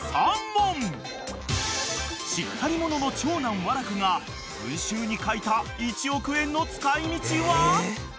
［しっかり者の長男和楽が文集に書いた１億円の使い道は？］